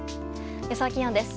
予想気温です。